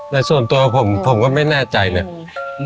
แต่ส่วนตัวผมผมก็ไม่แน่ใจเนี่ย